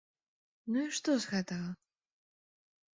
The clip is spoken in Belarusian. Ну і што з гэтага!